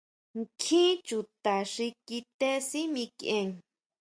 Nkjín chuta xi kité sʼí mikʼien.